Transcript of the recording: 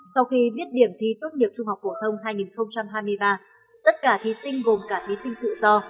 sau khi biết điểm thi tốt nghiệp trung học phổ thông hai nghìn hai mươi ba tất cả thí sinh gồm cả thí sinh tự do